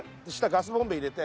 ガスボンベ入れて。